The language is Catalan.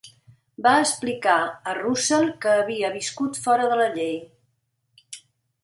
Va explicar a Russell que havia viscut fora de la llei.